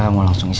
itu lihat tuh